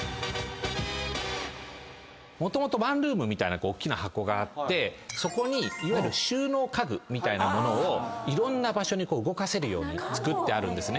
もともとワンルームみたいなおっきな箱があってそこにいわゆる収納家具みたいなものをいろんな場所に動かせるように造ってあるんですね。